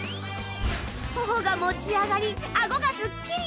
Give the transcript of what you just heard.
頬が持ち上がり顎がすっきり。